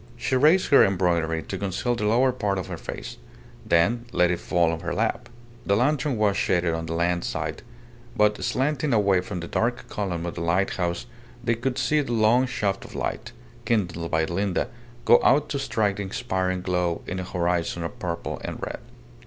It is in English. She raised her embroidery to conceal the lower part of her face, then let it fall on her lap. The lantern was shaded on the land side, but slanting away from the dark column of the lighthouse they could see the long shaft of light, kindled by Linda, go out to strike the expiring glow in a horizon of purple and red.